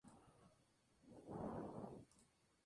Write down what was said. Es un escarabajo de gran tamaño y color negro